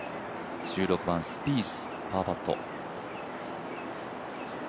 １６番、スピース、バーディーパット。